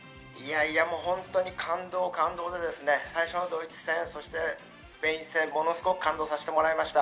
本当に感動、感動で最初はドイツ戦、そしてスペイン戦、ものすごく感動させてもらいました。